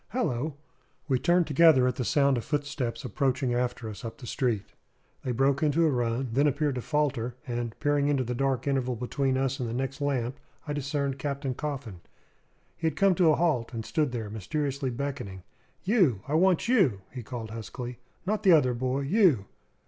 Hallo!" We turned together at the sound of footsteps approaching after us up the street. They broke into a run, then appeared to falter; and, peering into the dark interval between us and the next lamp, I discerned Captain Coffin. He had come to a halt, and stood there mysteriously beckoning. "You I want you!" he called huskily. "Not the other boy! You!"